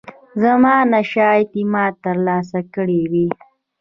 زمانشاه اعتماد ترلاسه کړی وو.